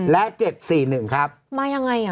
และเจ็ดสี่หนึ่งครับมายังไงอ่ะ